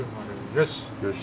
よし！